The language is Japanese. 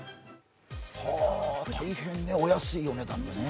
大変お安いお値段ですね。